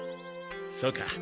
そうか。